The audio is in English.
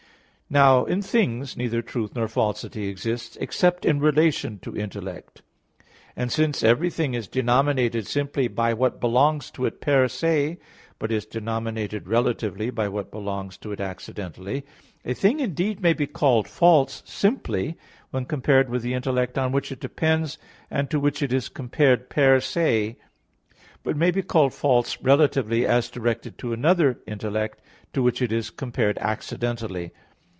Now, in things, neither truth nor falsity exists, except in relation to the intellect. And since every thing is denominated simply by what belongs to it per se, but is denominated relatively by what belongs to it accidentally; a thing indeed may be called false simply when compared with the intellect on which it depends, and to which it is compared per se but may be called false relatively as directed to another intellect, to which it is compared accidentally.